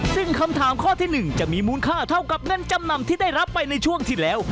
ซึ่งคำถามข้อที่๑จะมีมูลค่าเท่ากับเงินจำนำที่ได้รับไปในช่วงที่แล้ว